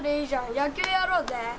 野球やろうぜ！